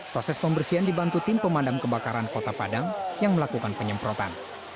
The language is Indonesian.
proses pembersihan dibantu tim pemadam kebakaran kota padang yang melakukan penyemprotan